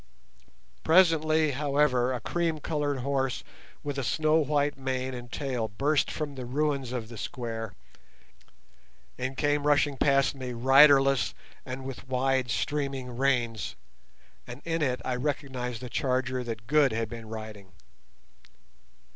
Presently, however, a cream coloured horse with a snow white mane and tail burst from the ruins of the square and came rushing past me riderless and with wide streaming reins, and in it I recognized the charger that Good had been riding.